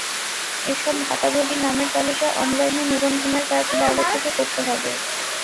এসব ভাতাভোগীর নামের তালিকা অনলাইনে নিবন্ধনের কাজ বাইরে থেকে করতে হবে।